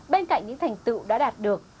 bên cạnh những thành tựu đã đạt được